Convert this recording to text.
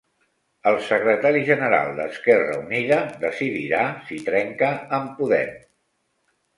El secretari general d'Esquerra Unida decidirà si trenca amb Podem